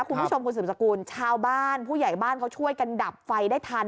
คุณผู้ชมคุณสืบสกุลชาวบ้านผู้ใหญ่บ้านเขาช่วยกันดับไฟได้ทัน